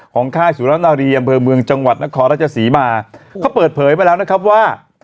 ค่ายสุรนารีอำเภอเมืองจังหวัดนครราชศรีมาเขาเปิดเผยไปแล้วนะครับว่า